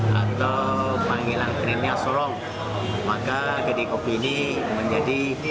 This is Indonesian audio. kalau kita panggilan kenennya solong maka jadi kopi ini menjadi